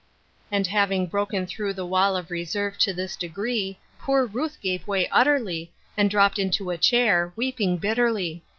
And having broken through the wall of reserve to this degree poor Ruth gave way utterly, and dropped into a chair, weeping bit terly.